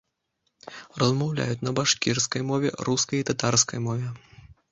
Размаўляюць на башкірскай мове, рускай і татарскай мове.